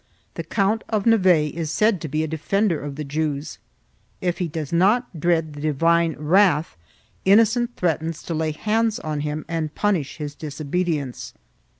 The Count of Nevers is said to be a defender of the Jews; if he does not dread the divine wrath, Innocent threatens to lay hands on him and punish his disobedience.